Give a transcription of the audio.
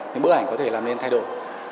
những bức ảnh có thể làm nên thay đổi